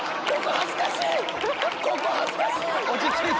恥ずかしい！